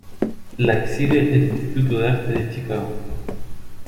La exhibe el Instituto de Arte de Chicago.